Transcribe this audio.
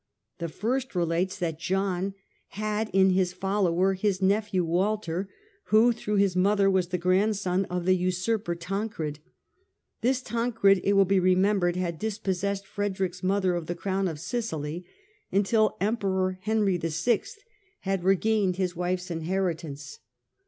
The first relates that John had in his following his nephew Walter, who, through his mother, was the grandson of the Usurper Tancred : this Tancred, it will be remem bered, had dispossessed Frederick's mother of the Crown of Sicily, until the Emperor Henry VI had regained KING AND EMPEROR 71 his wife's inheritance.